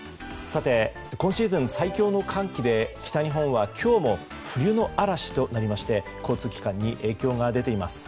今シーズン最強の寒気で北日本は今日も冬の嵐となりまして交通機関に影響が出ています。